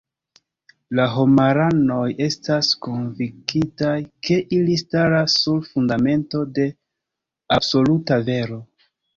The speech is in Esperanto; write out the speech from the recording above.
La homaranoj estas konvinkitaj, ke ili staras sur fundamento de absoluta vero.